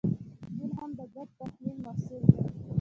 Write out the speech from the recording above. دین هم د ګډ تخیل محصول دی.